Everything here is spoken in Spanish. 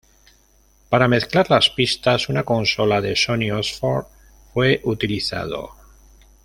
Para mezclar las pistas, una consola de Sony Oxford fue utilizado.